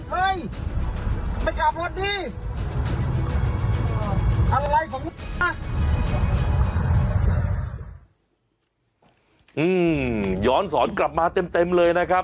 ว่าย้อนสอนกลับมาเต็มเลย